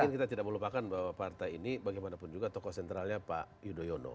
tapi kan kita tidak melupakan bahwa partai ini bagaimanapun juga tokoh sentralnya pak yudhoyono